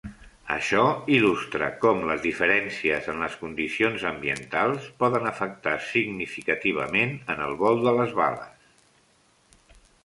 Això il·lustra com les diferències en les condicions ambientals poden afectar significativament en el vol de les bales.